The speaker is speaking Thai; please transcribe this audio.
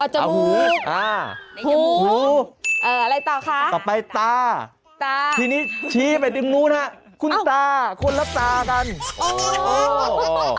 จมูกอ่าหูอะไรต่อคะต่อไปตาตาทีนี้ชี้ไปดึงนู้นฮะคุณตาคนละตากันโอ้